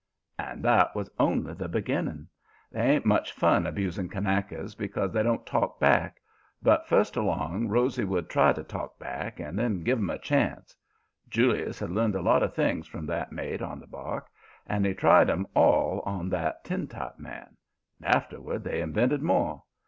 "And that was only the beginning. They ain't much fun abusing Kanakas because they don't talk back, but first along Rosy would try to talk back, and that give 'em a chance. Julius had learned a lot of things from that mate on the bark, and he tried 'em all on that tintype man. And afterward they invented more.